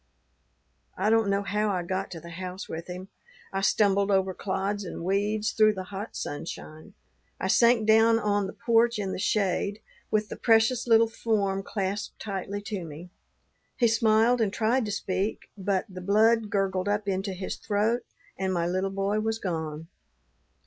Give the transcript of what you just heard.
"I don't know how I got to the house with him; I stumbled over clods and weeds, through the hot sunshine. I sank down on the porch in the shade, with the precious little form clasped tightly to me. He smiled, and tried to speak, but the blood gurgled up into his throat and my little boy was gone.